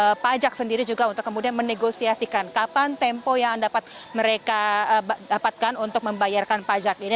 dan juga dari pihak pajak sendiri juga untuk kemudian menegosiasikan kapan tempo yang dapat mereka dapatkan untuk membayarkan pajak ini